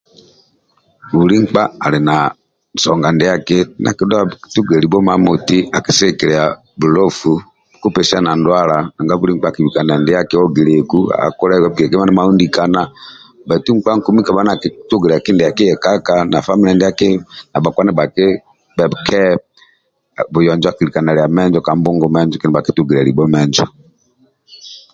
Buli nkpa ali na nsonga ndiaki ndia akidhuaga bhakatugilie libho imamoti alisigikilia bulofu bhukupesiana ndwala nanga buli nkpa aogilieku akole maundikana bhaitu nkpa kabha nakitugilia kindiaki yekaka na famile ndiaki na bhakpa ndibhaki bhake buyonjo akilika nalia menjo ka mbungu menjo kindia bhakitugilia libho menjo